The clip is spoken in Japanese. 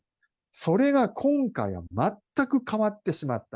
それが今回は全く変わってしまった。